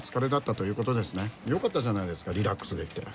よかったじゃないですかリラックスできて。